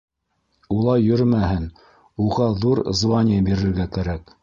Улай йөрөмәһен, уға ҙур звание бирергә кәрәк.